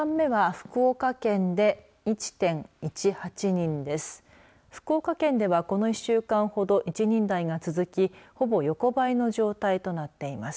福岡県では、この１週間ほど１人台が続きほぼ横ばいの状態となっています。